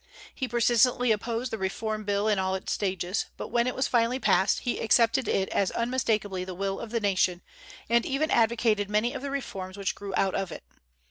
He persistently opposed the Reform Bill in all its stages; but when it was finally passed, he accepted it as unmistakably the will of the nation, and even advocated many of the reforms which grew out of it.